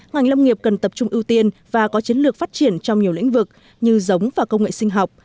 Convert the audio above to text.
ngành lâm nghiệp cần tập trung ưu tiên và có chiến lược phát triển trong nhiều lĩnh vực như giống và công nghệ sinh học